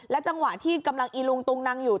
จังหวะที่กำลังอีลุงตุงนังอยู่